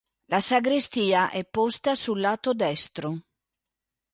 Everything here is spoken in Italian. La sagrestia è posta sul lato destro.